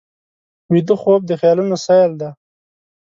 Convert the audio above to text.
ویده خوب د خیالونو سیل دی